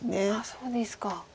そうですか。